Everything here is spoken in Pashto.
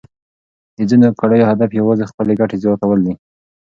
د ځینو کړیو هدف یوازې خپلې ګټې زیاتول دي.